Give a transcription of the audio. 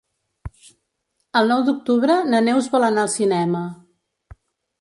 El nou d'octubre na Neus vol anar al cinema.